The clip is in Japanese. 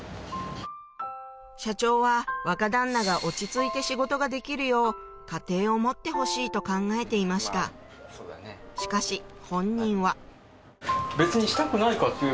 社長は若旦那が落ち着いて仕事ができるよう家庭を持ってほしいと考えていましたしかし本人は別に。